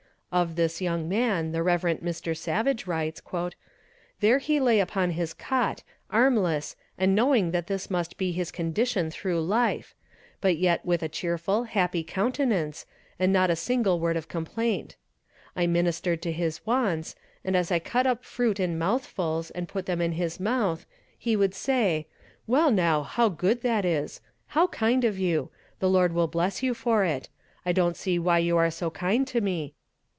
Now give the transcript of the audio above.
Of this young man the Rev. Mr. Savage writes: "There he lay upon his cot, armless, and knowing that this must be his condition through life; but yet with a cheerful, happy countenance, and not a single word of complaint. I ministered to his wants, and as I cut up fruit in mouthfuls, and put them in his mouth, he would say, 'Well, now, how good that is! How kind of you! The Lord will bless you for it. I don't see why you are so kind to me.